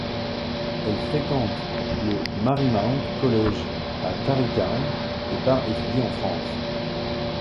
Elle fréquente le Marymount College à Tarrytown et part étudier en France.